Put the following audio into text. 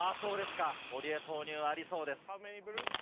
堀江投入もありそうです。